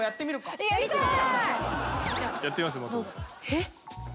えっ？